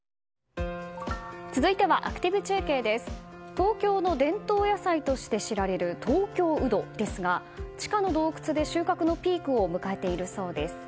東京の伝統野菜として知られる東京ウドですが地下の洞くつで収穫のピークを迎えているそうです。